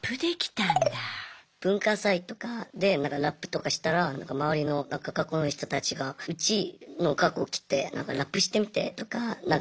文化祭とかでラップとかしたら周りの学校の人たちがうちの学校来てラップしてみてとかなんか。